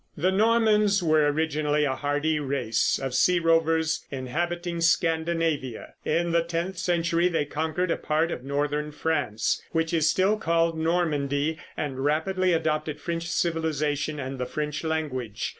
The Normans were originally a hardy race of sea rovers inhabiting Scandinavia. In the tenth century they conquered a part of northern France, which is still called Normandy, and rapidly adopted French civilization and the French language.